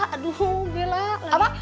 aduh bela lah